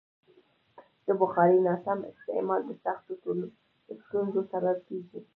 د بخارۍ ناسم استعمال د سختو ستونزو سبب کېږي.